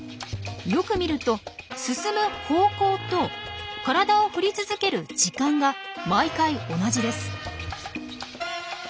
よく見ると進む方向と体を振り続ける時間が毎回同じです。